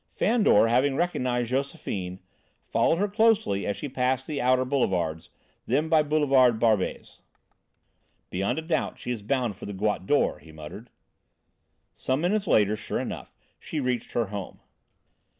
Fandor, having recognised Josephine, followed her closely as she passed the outer boulevards, then by Boulevard Barbès. "Beyond a doubt she is bound for the Goutte d'Or," he muttered. Some minutes later, sure enough, she reached her home.